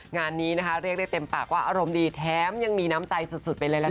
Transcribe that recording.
งานนี้นะคะเรียกได้เต็มปากว่าอารมณ์ดีแถมยังมีน้ำใจสุดไปเลยล่ะค่ะ